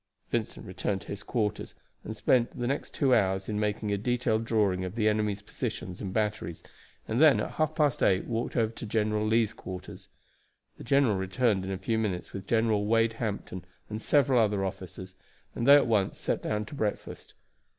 Vincent returned to his quarters, and spent the next two hours in making a detailed drawing of the enemy's positions and batteries, and then at half past eight walked over to General Lee's quarters. The general returned in a few minutes with General Wade Hampton and several other officers, and they at once sat down to breakfast.